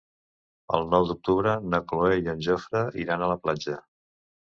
El nou d'octubre na Cloè i en Jofre iran a la platja.